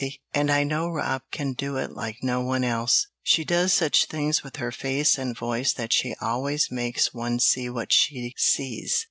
"And I know Rob can do it like no one else; she does such things with her face and voice that she always makes one see what she sees."